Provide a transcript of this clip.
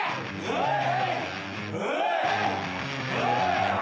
おい！